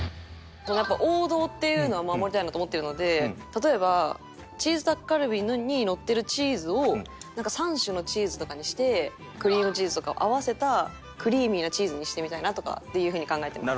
やっぱ王道っていうのは守りたいなと思ってるので例えばチーズタッカルビにのってるチーズを３種のチーズとかにしてクリームチーズとかを合わせたクリーミーなチーズにしてみたいなとかっていう風に考えてます。